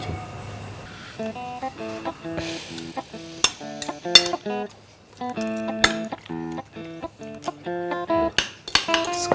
tumben beb cantik